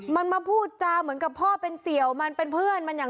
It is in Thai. มันมาพูดจาเหมือนกับพ่อเป็นเสี่ยวมันเป็นเพื่อนมันอย่าง